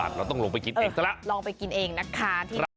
เราต้องลงไปกินเองซะแล้วลองไปกินเองนะคะ